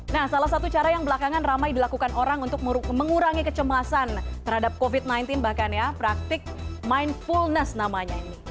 nah salah satu cara yang belakangan ramai dilakukan orang untuk mengurangi kecemasan terhadap covid sembilan belas bahkan ya praktik mindfulness namanya ini